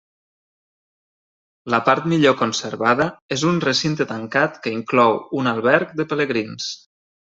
La part millor conservada és un recinte tancat que inclou un alberg de pelegrins.